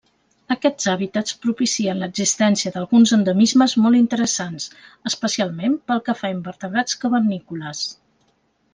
Aquests hàbitats propicien l’existència d’alguns endemismes molt interessants, especialment pel que fa a invertebrats cavernícoles.